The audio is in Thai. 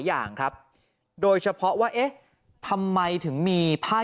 หลังจากพบศพผู้หญิงปริศนาตายตรงนี้ครับ